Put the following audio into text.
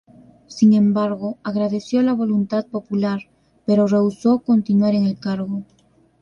Sin embargo, agradeció la voluntad popular pero rehusó continuar en el cargo.